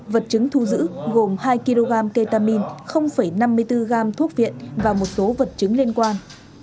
vật chứng thu giữ gồm hai kg ketamine năm mươi bốn gam thuốc viện và một số vật chứng liên quan